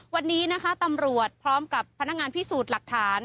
วันนี้นะคะตำรวจพร้อมกับพนักงานพิสูจน์หลักฐาน